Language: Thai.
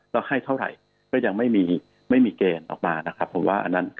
แล้วให้เท่าไหร่ก็ยังไม่มีไม่มีเกณฑ์ออกมานะครับผมว่าอันนั้น